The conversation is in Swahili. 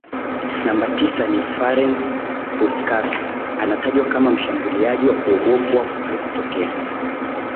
Namba tisa ni Farenc PuskasAnatajwa kama mshambuliaji wa kuogopwa kuwahi kutokea